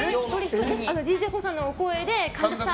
ＤＪＫＯＯさんの声で神田さん！